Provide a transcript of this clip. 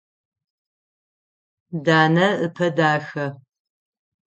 Данэ ыпэ дахэ.